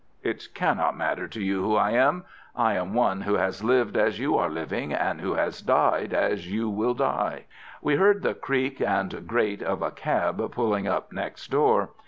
"It cannot matter to you who I am. I am one who has lived as you are living, and who has died as you will die." We heard the creak and grate of a cab pulling up next door.